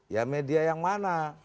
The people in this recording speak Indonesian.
ya media yang mana